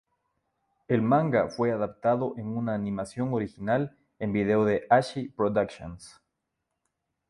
El manga fue adaptado en una animación original en vídeo de Ashi Productions.